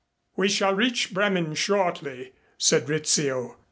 "We shall reach Bremen shortly," said Rizzio.